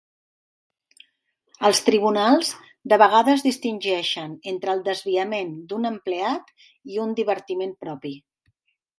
Els tribunals de vegades distingeixen entre el "desviament" d'un empleat i "un divertiment propi".